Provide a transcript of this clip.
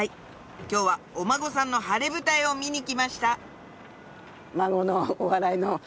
今日はお孫さんの晴れ舞台を見に来ました